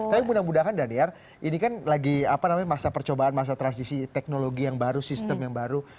tapi mudah mudahan daniar ini kan lagi masa percobaan masa transisi teknologi yang baru sistem yang baru